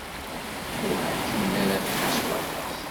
Ur ḥekkmen ara fell-i s waṭas.